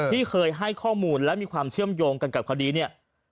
ที่เคยให้ข้อมูลและมีความเชื่อมโยงกันกับคดีเนี่ย